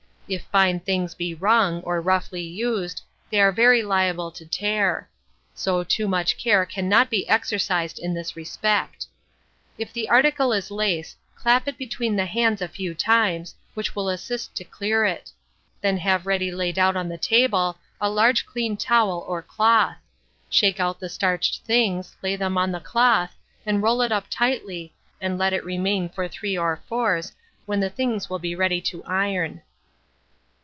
If fine things be wrung, or roughly used, they are very liable to tear; so too much care cannot be exercised in this respect. If the article is lace, clap it between the hands a few times, which will assist to clear it; then have ready laid out on the table a large clean towel or cloth; shake out the starched things, lay them on the cloth, and roll it up tightly, and let it remain for three or fours, when the things will be ready to iron.